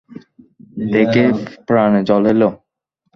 দেখে প্রাণে জল এলো।